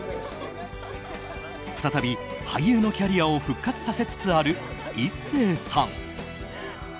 再び俳優のキャリアを復活させつつある壱成さん。